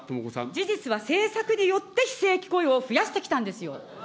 事実は政策によって、非正規雇用を増やしてきたんですよ。